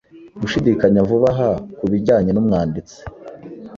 Gushidikanya vuba aha ku bijyanye n’umwanditsi